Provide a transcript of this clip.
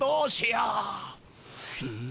うん。